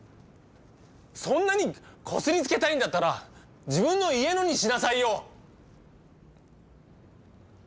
そんなにこすりつけたいんだったら自分の家のにしなさいよ！